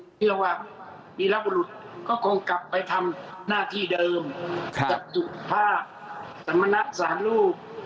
ยกระดับวีรบุรุษก็คงกลับไปทำหน้าที่เว้นฝากสมณะสถานรูป